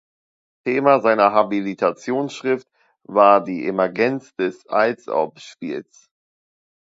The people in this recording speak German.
Thema seiner Habilitationsschrift war die „Die Emergenz des Als-ob-Spiels“.